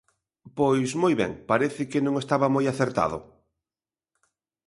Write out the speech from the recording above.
Pois moi ben, parece que non estaba moi acertado.